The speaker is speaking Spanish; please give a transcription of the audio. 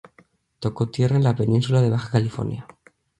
Toco tierra en la Península de Baja California.